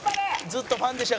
「ずっとファンでした。